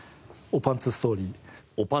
「おパンツストーリー」